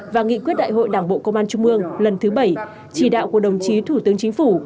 và nghị quyết đại hội đảng bộ công an trung mương lần thứ bảy chỉ đạo của đồng chí thủ tướng chính phủ